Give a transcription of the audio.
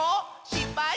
しっぱい？